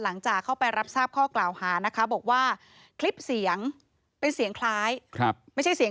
หลังจากเข้าไปรับทราบข้อกราวหาบอกว่าคลิปเสียงเป็นเสียงคล้าย